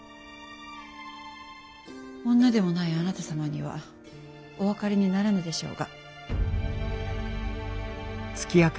女でもないあなた様にはお分かりにならぬでしょうが。